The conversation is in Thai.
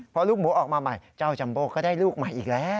พอลูกหมูออกมาใหม่เจ้าจัมโบก็ได้ลูกใหม่อีกแล้ว